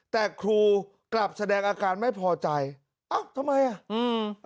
แต่ครูกลับแสดงอาการไม่พอใจอ้าวทำไมอ่ะอืม